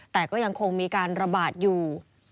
แต่ก็ยังคงมีการระบาดอยู่